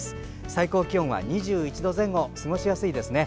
最高気温は２１度前後過ごしやすいですね。